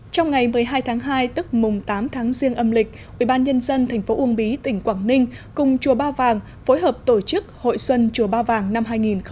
trong ngày một mươi hai tháng hai tức mùng tám tháng riêng âm lịch ubnd tp uông bí tỉnh quảng ninh cùng chùa ba vàng phối hợp tổ chức hội xuân chùa ba vàng năm hai nghìn một mươi chín